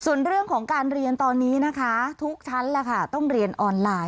ส่วนเรื่องของการเรียนตอนนี้นะคะทุกชั้นแหละค่ะต้องเรียนออนไลน์